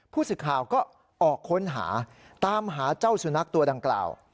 ผู้สื่อข่าวก็ออกค้นหาตามหาเจ้าสุนัขตัวดังกล่าว